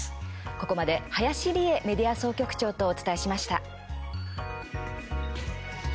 ここまで林理恵メディア総局長とお伝えしました。